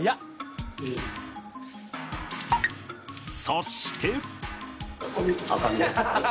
そして